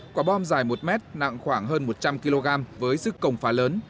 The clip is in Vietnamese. quả bom dài một mét nặng khoảng hơn một trăm linh kg với sức cồng phá lớn